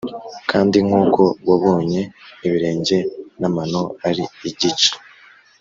Kandi nk uko wabonye ibirenge n amano ari igice